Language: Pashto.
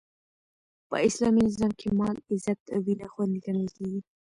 په اسلامي نظام کښي مال، عزت او وینه خوندي ګڼل کیږي.